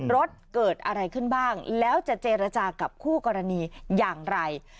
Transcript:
รถเกิดอะไรขึ้นบ้างแล้วจะเจรจากับคู่กรณีอย่างไร